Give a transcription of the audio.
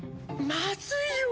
まずいよ。